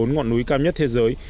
một mươi bốn ngọn núi cao nhất thế giới